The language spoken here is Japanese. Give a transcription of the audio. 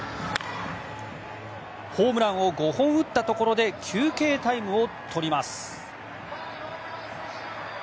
ホームランを５本打ったところで休憩タイムを取ります。